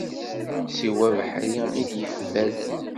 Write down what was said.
Siwa abeḥri i d-yeffalen.